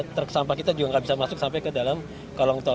truk sampah kita juga nggak bisa masuk sampai ke dalam kolong tol